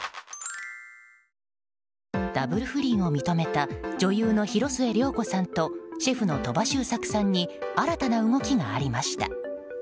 ダブル不倫を認めた女優の広末涼子さんとシェフの鳥羽周作さんに新たな動きがありました。